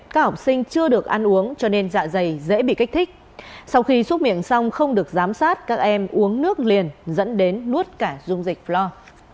không được ăn uống cho nên dạ dày dễ bị kích thích sau khi xúc miệng xong không được giám sát các em uống nước liền dẫn đến nuốt cả dung dịch floor